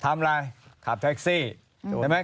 ทำอะไรขับแท็กซี่